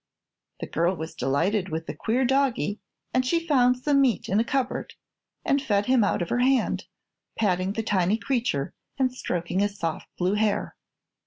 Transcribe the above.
The girl was delighted with the queer doggie and she found some meat in a cupboard and fed him out of her hand, patting the tiny creature and stroking his soft blue hair.